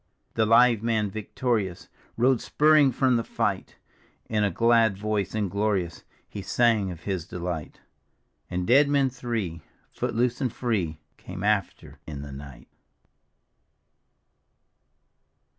The live man victorious Rode spurring from the fight; In a glad voice and glorious He sang of his delight. And dead men three, foot loose and free. Came after in the night.